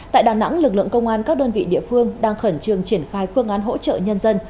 tại đà nẵng lực lượng công an các đơn vị địa phương đang khẩn trương triển khai phương án hỗ trợ nhân dân